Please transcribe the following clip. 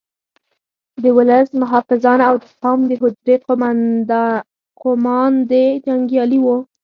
د ولس محافظان او د قوم د حجرې قوماندې جنګیالي وو.